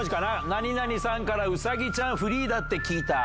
何々さんからうさぎちゃん、フリーだって聞いた。